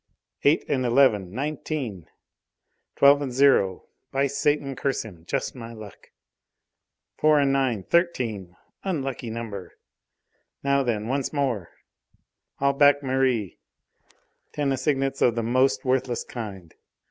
"Eight and eleven nineteen!" "Twelve and zero! By Satan! Curse him! Just my luck!" "Four and nine thirteen! Unlucky number!" "Now then once more! I'll back Merri! Ten assignats of the most worthless kind!